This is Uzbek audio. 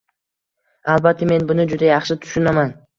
Albatta, men buni juda yaxshi tushunaman.